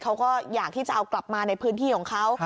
เขาก็อยากที่จะเอากลับมาในพื้นที่ของเขา